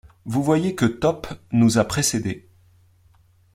Vous voyez que Top nous a précédés!